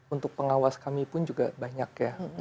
untuk pengawas kami pun juga banyak ya